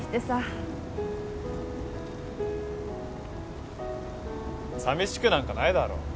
さみしくなんかないだろ。